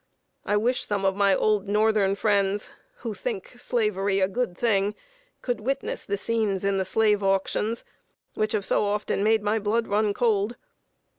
I wish some of my old northern friends, who think Slavery a good thing, could witness the scenes in the slave auctions, which have so often made my blood run cold.